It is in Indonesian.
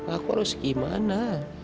aku harus gimana